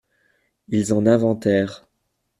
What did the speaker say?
ils en inventèrent.